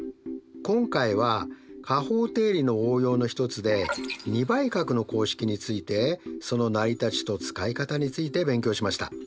今回は加法定理の応用の一つで２倍角の公式についてその成り立ちと使い方について勉強しました。